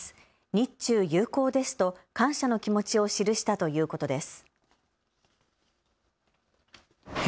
日中友好ですと感謝の気持ちを記したということです。